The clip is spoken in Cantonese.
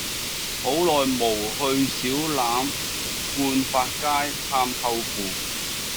好耐無去小欖冠發街探舅父